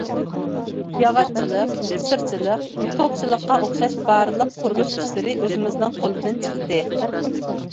ياغاچچىلىق، سىرچىلىق، توكچىلىققا ئوخشاش بارلىق قۇرۇلۇش ئىشلىرى ئۆزىمىزنىڭ قولىدىن چىقتى.